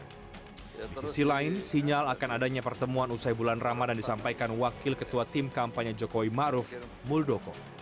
di sisi lain sinyal akan adanya pertemuan usai bulan ramadan disampaikan wakil ketua tim kampanye jokowi ⁇ maruf ⁇ muldoko